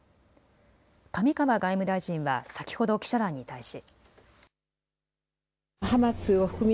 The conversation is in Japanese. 上川外務大臣は先ほど記者団に対し。